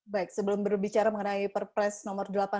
baik sebelum berbicara mengenai perpres nomor delapan puluh dua